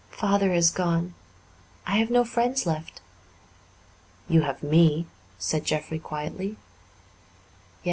"Father has gone. I have no friends left." "You have me," said Jeffrey quietly. "Yes.